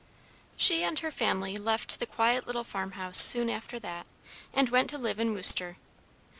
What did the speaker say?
She and her family left the quiet little farmhouse soon after that, and went to live in Worcester.